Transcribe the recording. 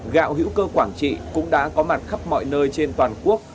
gạo hữu cơ quảng trị cũng đã có mặt khắp mọi nơi trên toàn quốc